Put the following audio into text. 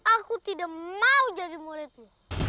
aku mau menjadi muridmu